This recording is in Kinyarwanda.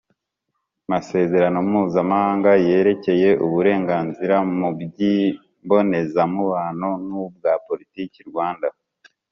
Masezerano mpuzamahanga yerekeye uburenganzira mu by imbonezamubano n ubwa politiki rwanda